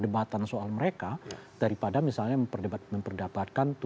bahan sebelumnya ini adalah okses paint